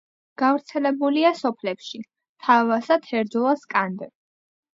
გავრცელებულია სოფლებში: თავასა, თერჯოლა, სკანდე.